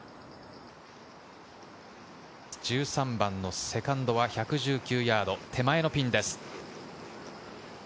１３番のセカンドは１１９ヤード、手前のピンです。